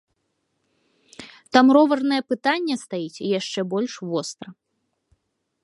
Там роварнае пытанне стаіць яшчэ больш востра.